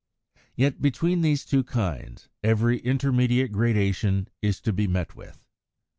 Yet between these two kinds every intermediate gradation is to be met with.